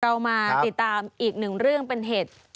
เรามาติดตามอีกหนึ่งเรื่องเป็นเหตุ